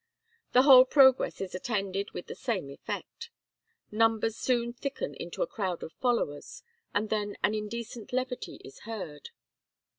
The whole progress is attended with the same effect. Numbers soon thicken into a crowd of followers, and then an indecent levity is heard."